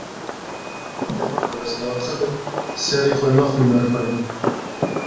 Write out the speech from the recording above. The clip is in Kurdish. Dema ku ez diaxivim, serê xwe naxim ber xwe.